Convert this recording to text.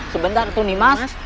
sebentar tuh nih mas